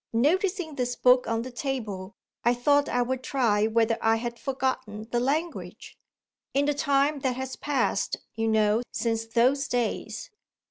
Noticing this book on the table, I thought I would try whether I had forgotten the language in the time that has passed (you know) since those days.